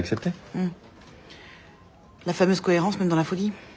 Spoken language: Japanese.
うん。